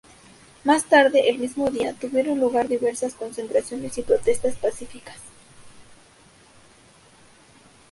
Más tarde el mismo día, tuvieron lugar diversas concentraciones y protestas pacíficas.